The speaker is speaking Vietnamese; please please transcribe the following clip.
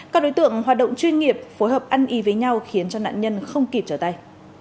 các đối tượng hoạt động chuyên nghiệp phối hợp ăn y với nhau khiến cho nạn nhân không kịp trở tay